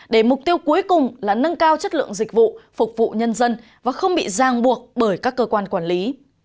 để mục tiêu cuối cùng là nâng cao chất lượng dịch vụ phục vụ nhân dân và không bị giang buộc bởi các cơ quan quản lý